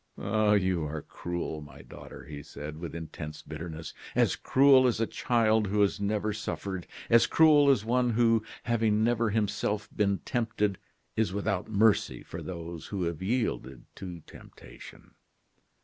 "Ah! you are cruel, my daughter," he said, with intense bitterness; "as cruel as a child who has never suffered as cruel as one who, having never himself been tempted, is without mercy for those who have yielded to temptation.